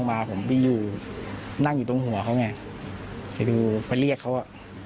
มาผมไปอยู่นั่งอยู่ตรงหัวเขาไงไปดูไปเรียกเขาอ่ะ